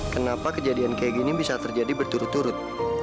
kenapa kejadian kayak gini bisa terjadi berturut turut